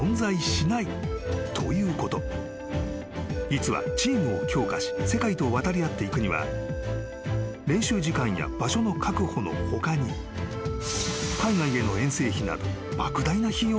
［実はチームを強化し世界と渡り合っていくには練習時間や場所の確保の他に海外への遠征費など］